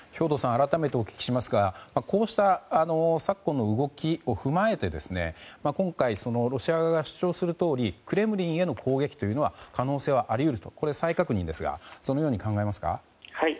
改めてお伺いしますが昨今の動きについて今回、ロシア側が主張するとおりクレムリンへの攻撃の可能性はあるとこれは再確認ですがそのように考えますか？